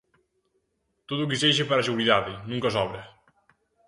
Todo o que sexa para seguridade, nunca sobra.